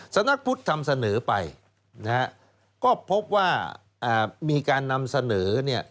สำนักพุทธทำเสนอไปนะฮะก็พบว่ามีการนำเสนอเนี่ย